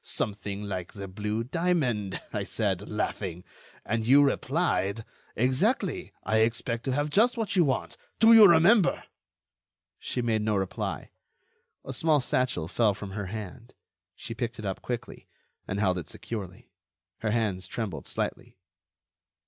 'Something like the blue diamond,' I said, laughing; and you replied: 'Exactly, I expect to have just what you want.' Do you remember?" She made no reply. A small satchel fell from her hand. She picked it up quickly, and held it securely. Her hands trembled slightly.